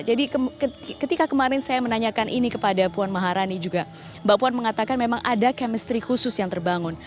jadi ketika kemarin saya menanyakan ini kepada puan maharani juga mbak puan mengatakan memang ada kemestri khusus yang terbangun